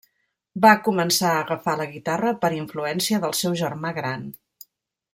Va començar a agafar la guitarra per influència del seu germà gran.